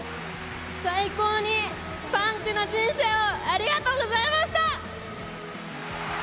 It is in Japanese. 最高にパンクな人生をありがとうございました！